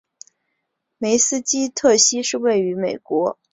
梅斯基特溪是位于美国亚利桑那州莫哈维县的一个人口普查指定地区。